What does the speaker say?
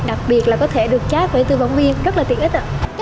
đặc biệt là có thể được chát với tư vấn viên rất là tiện ích